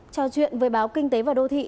trò chuyện với báo kinh tế và đô thị